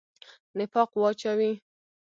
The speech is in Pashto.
نفاق واچوي.